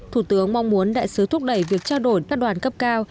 thủ tướng mong muốn đại sứ thúc đẩy việc trao đổi các đoàn cấp cao